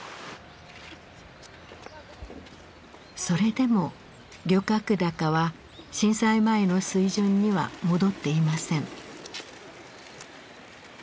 それでも漁獲高は震災前の水準には戻っていません。